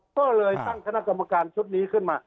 ก็เลยตั้งคณะกรรมการชุดนี้ขึ้นมา